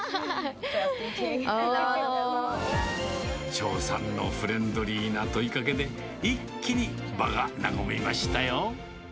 張さんのフレンドリーな問いかけで、一気に場が和みましたよ。